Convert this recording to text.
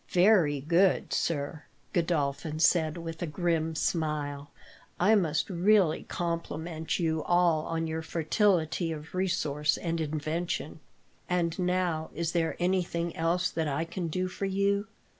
"Very good, sir," Godolphin said, with a grim smile. "I must really compliment you all on your fertility of resource and invention. And now, is there anything else that I can do for you?"